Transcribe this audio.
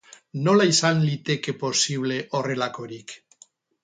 Nola izan liteke posible horrelakorik?